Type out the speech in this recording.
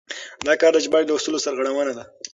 دا کار د ژباړې له اصولو سرغړونه ده.